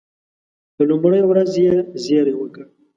په لومړۍ ورځ یې زېری وکړ.